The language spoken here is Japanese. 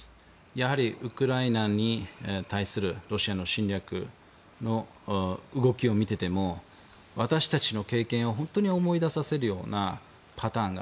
やはりウクライナに対するロシアの侵略の動きを見てても、私たちの経験を本当に思い出させるようなパターンが。